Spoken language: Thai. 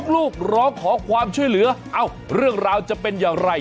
ลูกร้องขอความช่วยเหลือเอ้าเรื่องราวจะเป็นอย่างไร